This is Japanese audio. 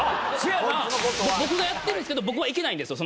僕がやってるんですけど僕は行けないんですよ